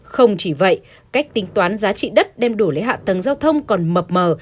không chỉ vậy cách tính toán giá trị đất đem đủ lấy hạ tầng giao thông còn mập mờ